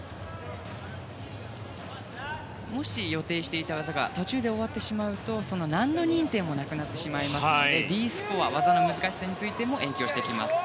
もし予定していた技が途中で終わってしまうとその難度認定もなくなってしまいますのでＤスコア、技の難しさについても影響してきます。